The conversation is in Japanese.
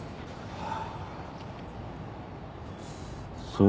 はあ。